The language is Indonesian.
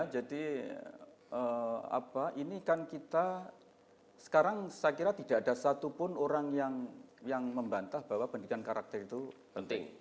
jadi ini kan kita sekarang saya kira tidak ada satupun orang yang membantah bahwa pendidikan karakter itu penting